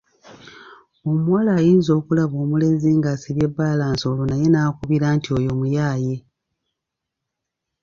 Omuwala ayinza okulaba omulenzi ng’asibye bbalansi olwo naye n’akubira nti oyo muyaaye.